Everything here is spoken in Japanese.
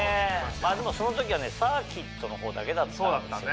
でもその時はねサーキットの方だけだったんですよね。